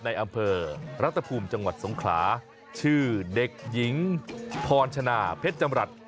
ในอำเภอรัตภูมิจังหวัดสงขลาชื่อเด็กหญิงพรชนะเพชรจำรัฐ